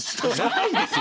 ないです。